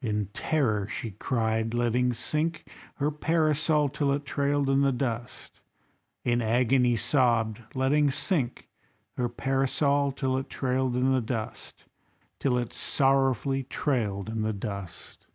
In terror she cried, letting sink her Parasol till it trailed in the dust; In agony sobbed, letting sink her Parasol till it trailed in the dust, Till it sorrowfully trailed in the dust.